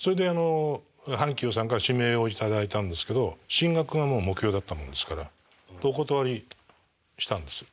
それで阪急さんから指名を頂いたんですけど進学がもう目標だったもんですからお断りしたんです。